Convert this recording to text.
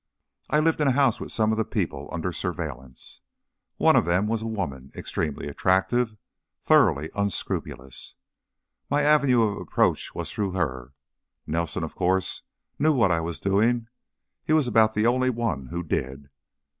I lived in a house with some of the people under surveillance. One of them was a woman, extremely attractive thoroughly unscrupulous. My avenue of approach was through her. Nelson, of course, knew what I was doing; he was about the only one who did.